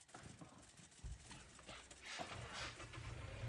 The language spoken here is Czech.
Stal se předsedou Výboru Regionální rady regionu soudržnosti Severozápad.